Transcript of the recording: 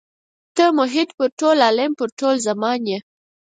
ته محیط پر ټول عالم پر ټول زمان یې.